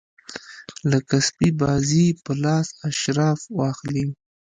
لکه سپي بازي په لاس اشراف واخلي.